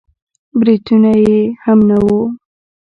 برېتونه يې هم نه وو.